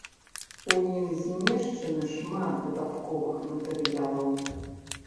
У ім змешчаны шмат дадатковых матэрыялаў.